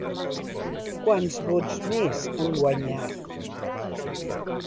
Quants vots més han guanyat?